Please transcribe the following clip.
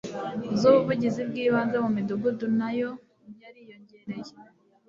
z ubuvuzi bw ibanze mu midugudu nayo yariyongereye